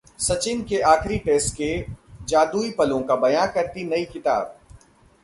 सचिन के आखिरी टेस्ट के जादुई पलों को बयां करती नई किताब